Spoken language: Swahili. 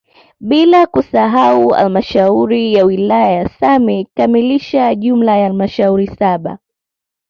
Bila kusahau halmashauri ya wilaya ya Same ikikamilisha jumla ya halmashauri saba